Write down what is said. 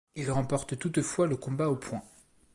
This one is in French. Il remporte toutefois le combat aux points.